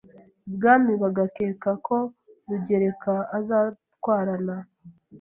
ibwami bagakeka ko Rugereka azatwarana